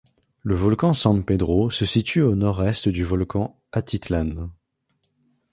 Le volcan San Pedro se situe au nord-est du volcan Atitlán.